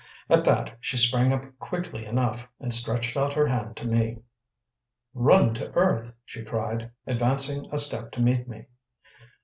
At that she sprang up quickly enough, and stretched out her hand to me. "Run to earth!" she cried, advancing a step to meet me.